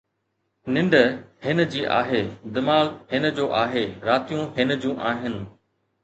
ننڊ هن جي آهي، دماغ هن جو آهي، راتيون هن جون آهن